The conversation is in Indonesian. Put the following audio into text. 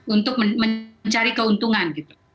untuk mencari keuntungan